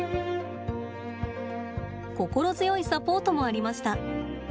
心強いサポートもありました。